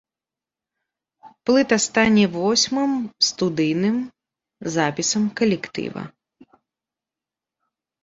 Плыта стане восьмым студыйным запісам калектыва.